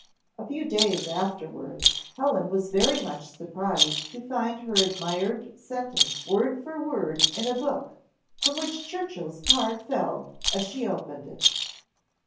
A few days afterwards, Helen was very much surprised to find her admired sentence word for word in a book, from which Churchill's card fell as she opened it.